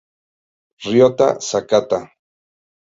Ryota Sakata